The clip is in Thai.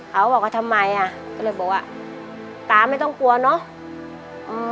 เขาบอกว่าทำไมอ่ะก็เลยบอกว่าตาไม่ต้องกลัวเนอะ